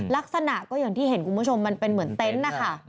ลักษณะก็อย่างที่เห็นคุณผู้ชมมันเป็นเหมือนเต็นต์นะคะ